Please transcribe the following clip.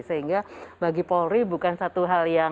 sehingga bagi polri bukan satu hal yang